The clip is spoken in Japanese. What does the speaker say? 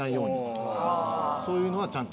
そういうのはちゃんと。